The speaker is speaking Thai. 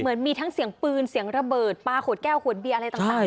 เหมือนมีทั้งเสียงปืนเสียงระเบิดปลาขวดแก้วขวดเบียร์อะไรต่าง